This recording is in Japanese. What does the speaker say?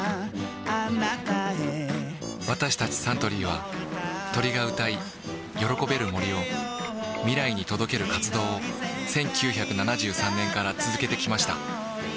私たちサントリーは鳥が歌い喜べる森を未来に届ける活動を１９７３年から続けてきました